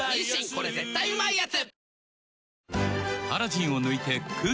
これ絶対うまいやつ」